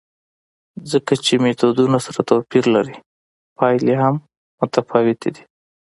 ځکه چې میتودونه سره توپیر لري، پایلې هم متفاوتې دي.